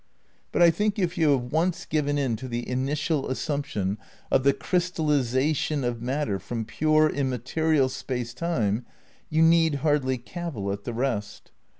But I think if you have once given in to the initial assumption of the crystallisation of matter from pure immaterial Space Time, you need hardly cavil at the rest.